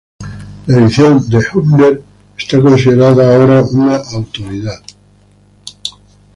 La edición de Hübner es considerada ahora una autoridad.